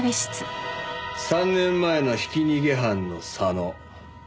３年前のひき逃げ犯の佐野。